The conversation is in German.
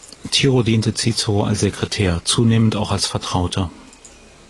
Tiro diente Cicero als Sekretär, zunehmend auch als Vertrauter.